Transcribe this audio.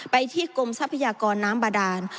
ไปที่กรมทรัพยากรน้ำบาดาน